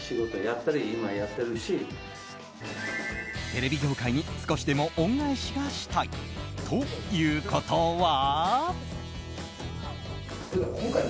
テレビ業界に少しでも恩返しがしたい。ということは。